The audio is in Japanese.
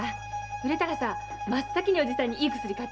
売れたらさ真っ先におじさんにいい薬買ってあげるね。